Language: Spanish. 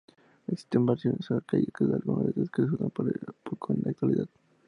Existen versiones en arcaicas de algunas letras que se usan poco en la actualidad.